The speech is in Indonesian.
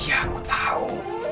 iya aku tau